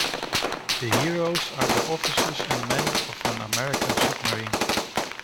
The heros are the officers and men of an American submarine.